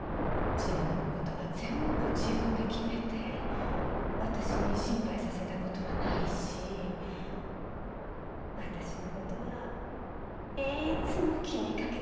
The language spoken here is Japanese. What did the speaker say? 自分のことは全部自分で決めて私に心配させたことはないし私のことはいつも気にかけてくれました。